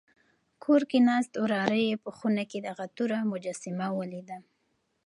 کور کې ناست وراره یې په خونه کې دغه توره مجسمه ولیده.